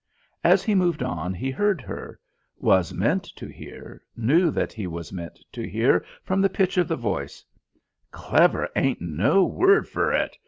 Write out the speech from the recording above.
As he moved on he heard her was meant to hear, knew that he was meant to hear, from the pitch of the voice "Clever ain't no word fur it!